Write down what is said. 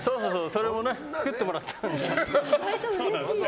それも作ってもらったので。